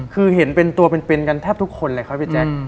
คือเห็นเป็นตัวเป็นกันแทบทุกคนเลยครับพี่แจ๊ค